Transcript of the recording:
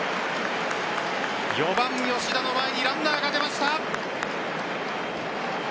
４番・吉田の前にランナーが出ました。